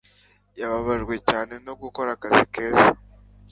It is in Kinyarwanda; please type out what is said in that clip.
Yababajwe cyane no gukora akazi keza